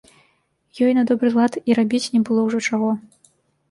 Ёй на добры лад і рабіць не было ўжо чаго.